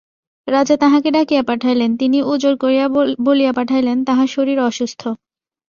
রাজা তাঁহাকে ডাকিয়া পাঠাইলেন, তিনি ওজর করিয়া বলিয়া পাঠাইলেন, তাঁহার শরীর অসুস্থ।